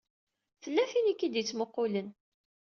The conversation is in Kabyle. Tella tin i k-id-ittmuqqulen.